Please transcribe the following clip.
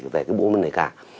về cái bộ môn này cả